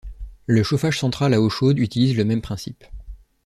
Le chauffage central à eau chaude utilise le même principe.